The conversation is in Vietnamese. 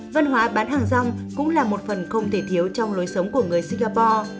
văn hóa bán hàng rong cũng là một phần không thể thiếu trong lối sống của người singapore